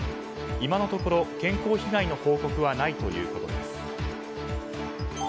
今のところ、健康被害の報告はないということです。